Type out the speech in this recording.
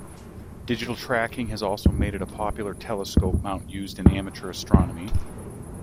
Digital tracking has also made it a popular telescope mount used in amateur astronomy.